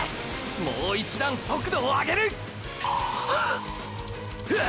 もう一段速度をあげる！！ーー！！